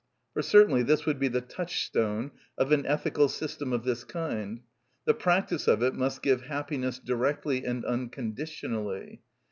For certainly this would be the touchstone of an ethical system of this kind; the practice of it must give happiness directly and unconditionally.